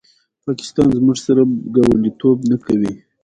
مېوې د افغانستان د بڼوالۍ برخه ده.